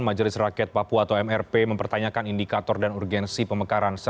majelis rakyat papua atau mrp mempertanyakan indikator dan urgensi pemekaran